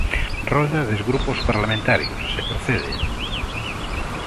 Rolda dos grupos parlamentarios, se procede.